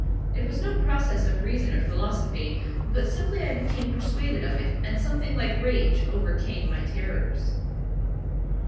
It was no process of reason or philosophy, but simply I became persuaded of it, and something like rage overcame my terrors.